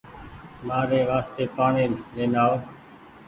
مآري وآستي پآڻيٚ آئو